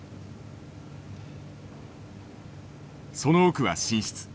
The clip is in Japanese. その奥は寝室。